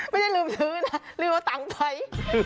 ไม่ได้ลืมซื้อนะลืมเอาตังค์ไป